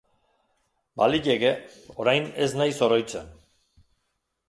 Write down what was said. Baliteke, orain ez naiz oroitzen.